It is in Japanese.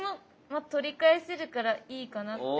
まあ取り返せるからいいかなって。